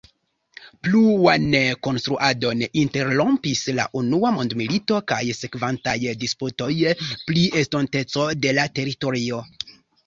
Pluan konstruadon interrompis la unua mondmilito kaj sekvantaj disputoj pri estonteco de la teritorio.